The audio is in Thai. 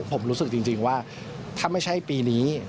ผมรู้สึกจริงว่าถ้าไม่ใช่ปีนี้